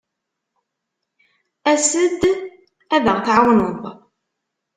As-d ad aɣ-tɛawneḍ.